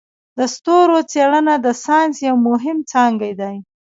د ستورو څیړنه د ساینس یو مهم څانګی دی.